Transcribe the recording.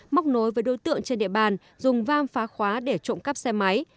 móc nối với đối tượng trên địa bàn dùng vam phá khóa để trộm cắp xe máy